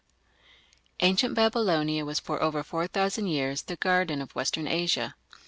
Ancient Babylonia was for over four thousand years the garden of Western Asia.